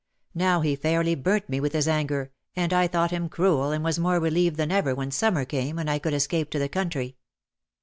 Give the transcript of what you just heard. Now he fairly burnt me with his anger and I thought him cruel and was more relieved than ever when summer came and I could escape to the country.